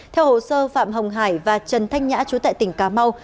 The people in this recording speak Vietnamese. theo hồ sơ phạm hồng hải và trần thanh nhã chú tại tỉnh cà mau